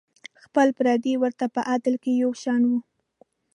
خپل پردي ورته په عدل کې یو شان وو.